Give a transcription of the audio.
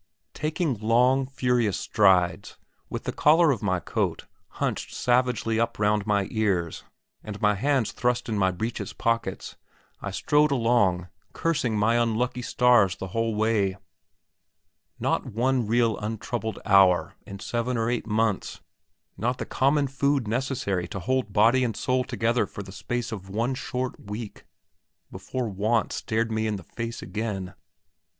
Taking long, furious strides, with the collar of my coat hunched savagely up round my ears, and my hands thrust in my breeches pockets, I strode along, cursing my unlucky stars the whole way. Not one real untroubled hour in seven or eight months, not the common food necessary to hold body and soul together for the space of one short week, before want stared me in the face again.